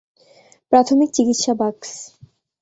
প্রাথমিক চিকিৎসা বাক্স!